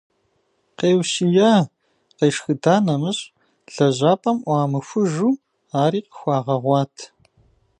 Къеущия, къешхыда нэмыщӏ, лэжьапӏэм ӏуамыхужу, ари къыхуагъэгъуат.